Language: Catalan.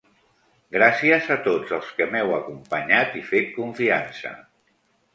Gràcies a tots els que m'heu acompanyat i fet confiança.